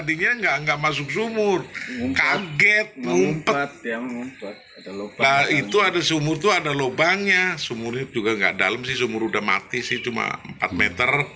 nah itu ada sumur itu ada lubangnya sumurnya juga enggak dalam sih sumur udah mati sih cuma empat meter